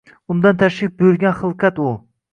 Undan tashrif buyurgan xilqat u.